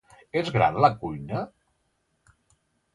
És gran la cuina?